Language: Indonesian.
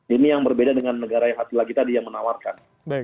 ini yang berbeda dengan negara yang hati lagi tadi yang menawarkan